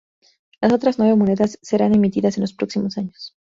Las otras nueve monedas serán emitidas en los próximos años.